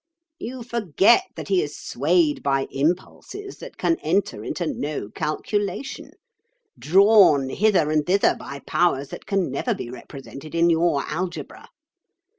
You forget he is swayed by impulses that can enter into no calculation—drawn hither and thither by powers that can never be represented in your algebra.